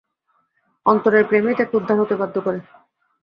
অন্তরের প্রেমই তাঁকে উদার হতে বাধ্য করে।